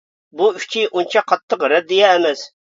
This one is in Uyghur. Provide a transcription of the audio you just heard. بۇ ئۈچى ئۇنچە قاتتىق رەددىيە ئەمەس.